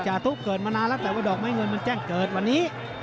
ทุกเกิดมานานแล้วแต่ว่าดอกไม้เงินมันแจ้งเกิดวันนี้